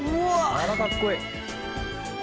あらかっこいい。